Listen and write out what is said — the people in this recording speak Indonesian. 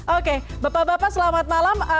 oke bapak bapak selamat malam